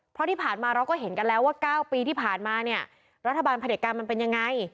เพราะที่ผ่านมาเราก็เห็นกันแล้วว่า๙ปีที่ผ่านมาเนี่ยรัฐบาลผลิตการมันเป็นยังไง